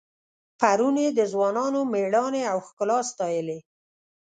پرون یې د ځوانانو میړانې او ښکلا ستایلې.